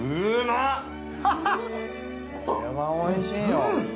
これはおいしいよ。